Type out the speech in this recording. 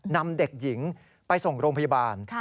นำเด็กหญิงไปส่งโรงพยาบาล